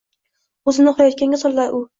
O’zini uxlayotganga soladi u.